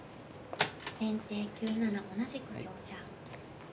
先手９七同じく香車。